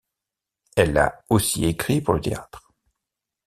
Elle a aussi écrit pour le théâtre.